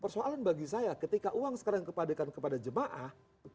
persoalan bagi saya ketika uang sekarang dikepadekan kepada jamaah